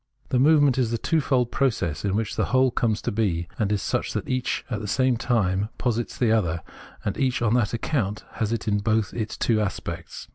The movement is the twofold process in which the whole comes to be, and is such that each at the same time posits the other, and each on that account has in it both as its two aspects.